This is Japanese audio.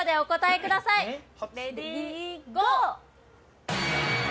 レディーゴー！